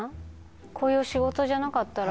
こういう仕事じゃなかったら。